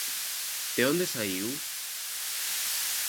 De onde saíu?